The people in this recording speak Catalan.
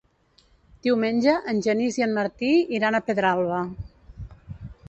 Diumenge en Genís i en Martí iran a Pedralba.